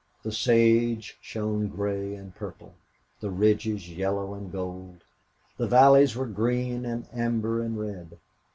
The sage shone gray and purple, the ridges yellow and gold; the valleys were green and amber and red.